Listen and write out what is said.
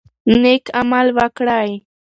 نیک عمل وکړئ.